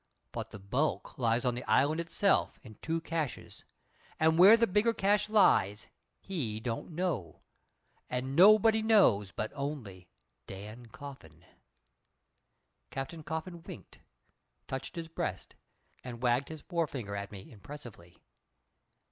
But the bulk lies in the island itself, in two caches; and where the bigger cache lies he don't know, and nobody knows but only Dan Coffin." Captain Coffin winked, touched his breast, and wagged his forefinger at me impressively.